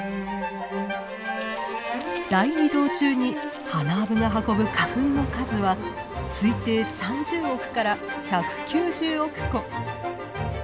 大移動中にハナアブが運ぶ花粉の数は推定３０億から１９０億個。